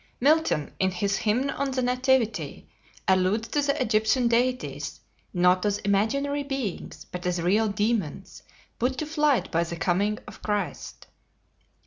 Milton, in his "Hymn on the Nativity," alludes to the Egyptian deities, not as imaginary beings, but as real demons, put to flight by the coming of Christ.